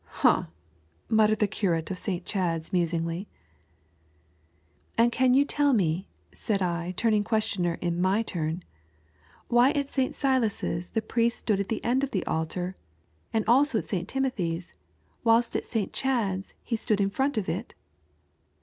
"Humph," muttered the cnrate of St. Chad's "And can you tell me," said I turning questioner in viy turn, " why at St. Silas's the priest stood at the end of the altar, and also at St. Timothy's, whilst at St. Chad's he stood in front of it